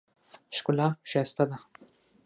ښکلا ښایسته ده.